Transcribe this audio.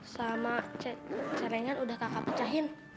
sama cerengan udah kakak pecahin